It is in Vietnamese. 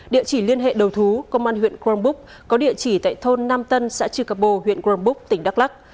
địa chỉ liên hệ đầu thú công an huyện quang búc có địa chỉ tại thôn năm tân xã trường cập bồ huyện quang búc tỉnh đắk lắc